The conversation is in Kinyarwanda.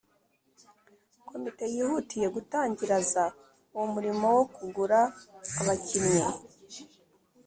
komite yihutiye gutangiraza uwo murimo wo kugura abakinnyi,